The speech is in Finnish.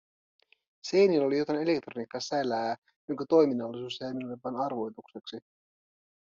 Seinillä oli jotain elektroniikkasälää, jonka toiminnallisuus jäi minulle vain arvoitukseksi.